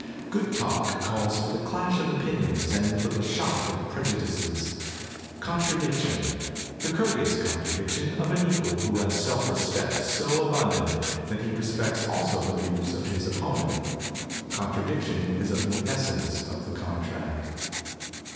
Good talk calls for the clash of opin ions and for the shock of prejudices. Contra diction the courteous contradiction of an equal who has self respect so abundant that he re spects also the views of his opponent, contra diction is of the essence of the contract.